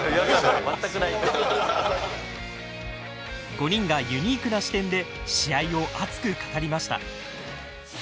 ５人がユニークな視点で試合を熱く語りました。